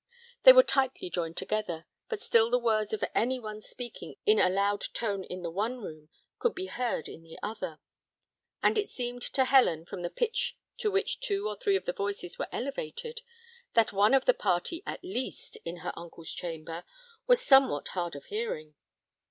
They were tightly joined together, but still the words of any one speaking in a loud tone in the one room, could be heard in the other; and it seemed to Helen, from the pitch to which two or three of the voices were elevated, that one of the party at least in her uncle's chamber was somewhat hard of hearing.